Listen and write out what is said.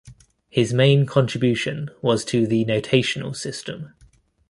His main contribution was to the notational system.